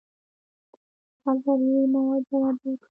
هغه ضروري مواد برابر کړي.